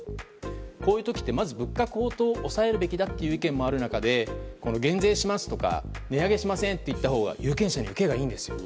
こういう時ってまず物価高騰を抑えるべきだという意見もある中で減税しますとか値上げしませんとか言ったほうが有権者に受けがいいんですよ。